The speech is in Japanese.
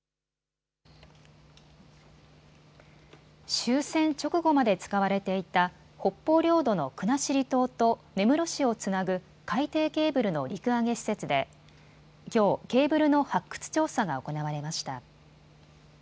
終戦直後まで使われていた北方領土の国後島と根室市をつなぐ海底ケーブルの陸揚げ施設で、きょうケーブルの発掘調査が行われました。